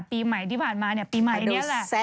ปีใหม่ที่ผ่านมาปีใหม่อันนี้ล่ะ